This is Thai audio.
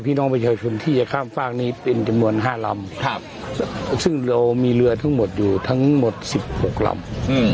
พี่น้องประชาชนที่จะข้ามฝากนี้เป็นจำนวน๕ลำซึ่งเรามีเรือทั้งหมดอยู่ทั้งหมด๑๖ลำ